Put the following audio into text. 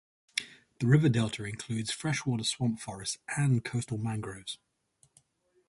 The river delta includes freshwater swamp forests and coastal mangroves.